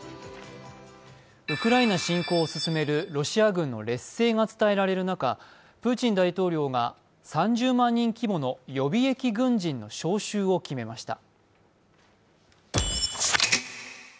ウクライナ侵攻を進めるロシア軍の劣勢が伝えられる中プーチン大統領が３０万人規模の予備役軍人の招集を決めました。